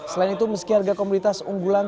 selain itu meski harga komoditas unggulan